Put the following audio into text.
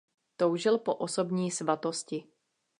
Toužil po osobní svatosti.